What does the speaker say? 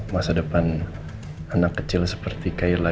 masa depan anak kecil seperti kaila